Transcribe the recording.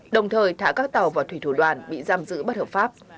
đồng thời thả các tàu vào thủy thủ đoàn bị giam giữ bất hợp pháp